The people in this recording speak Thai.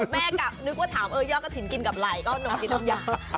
แม่ก็นึกว่าถามยอดกระถิ่นกินกับไหล่ก็นมชิดน้ำยา